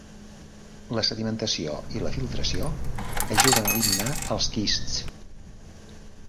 La sedimentació i la filtració ajuden a eliminar els quists.